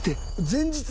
前日！？